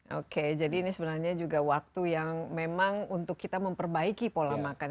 oke jadi ini sebenarnya juga waktu yang memang untuk kita memperbaiki pola makan